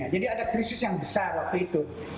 jadi ada krisis yang besar waktu itu